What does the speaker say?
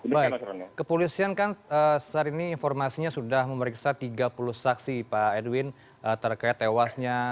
baik kepolisian kan saat ini informasinya sudah memeriksa tiga puluh saksi pak edwin terkait tewasnya